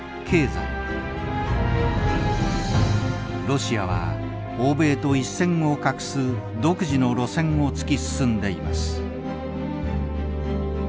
ロシアは欧米と一線を画す独自の路線を突き進んでいます。